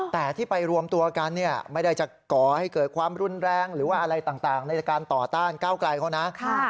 แต่ที่ไปรวมตัวกันเนี่ยไม่ได้จะก่อให้เกิดความรุนแรงหรือว่าอะไรต่างในการต่อต้านก้าวไกลเขานะ